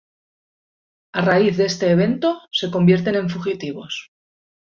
A raíz de ese evento, se convierten en fugitivos.